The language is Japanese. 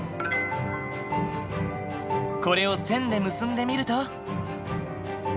これを線で結んでみると。